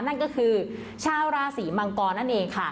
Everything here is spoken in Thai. นั่นก็คือชาวราศีมังกรนั่นเองค่ะ